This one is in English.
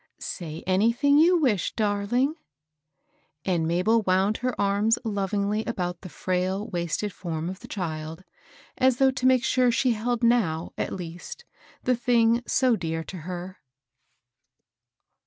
^ Say anything you wish, darling." And Mabel wound her arms lovingly about the frail, waated form of the child, as though to make sure she held now^ at l^t, the thing so dear to her.